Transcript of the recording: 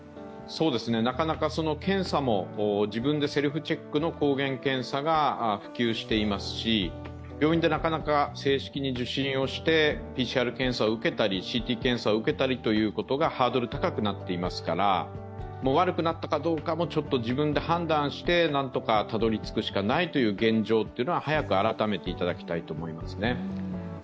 なかなか検査も自分でセルフチェックの抗原検査が普及していますし、病院でなかなか正式に受診してＰＣＲ検査を受けたりＣＴ検査を受けたりということがハードル高くなっていますから悪くなったかどうかも、自分で判断してなんとかたどりつくしかないっていうような現状というのは早く改めていただきたいと思いますね。